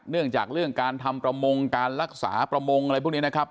เรื่องจากเรื่องการทำประมงการรักษาประมงอะไรพวกนี้นะครับ